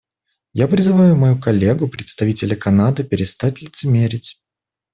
Я призываю мою коллегу, представителя Канады, перестать лицемерить.